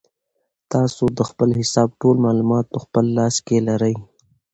تاسو د خپل حساب ټول معلومات په خپل لاس کې لرئ.